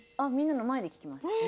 みんなの前で聞きます。